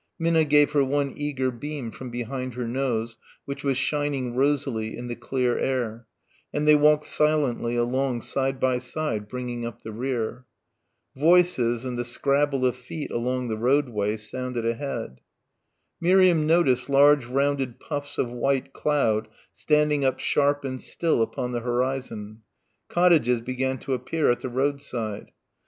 Minna gave her one eager beam from behind her nose, which was shining rosily in the clear air, and they walked silently along side by side bringing up the rear. Voices and the scrabble of feet along the roadway sounded ahead. Miriam noticed large rounded puffs of white cloud standing up sharp and still upon the horizon. Cottages began to appear at the roadside.